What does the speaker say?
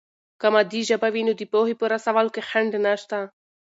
که مادي ژبه وي، نو د پوهې په رسولو کې خنډ نشته.